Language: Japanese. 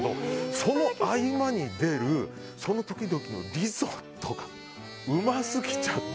その合間に出るその時々のリゾットがうますぎちゃって。